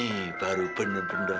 ini baru bener bener